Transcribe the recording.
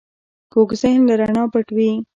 کوږ ذهن له رڼا پټ وي